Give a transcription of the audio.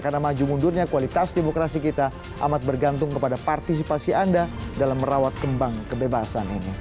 karena maju mundurnya kualitas demokrasi kita amat bergantung kepada partisipasi anda dalam merawat kembang kebebasan ini